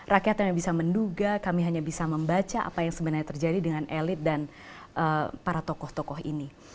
rakyat hanya bisa menduga kami hanya bisa membaca apa yang sebenarnya terjadi dengan elit dan para tokoh tokoh ini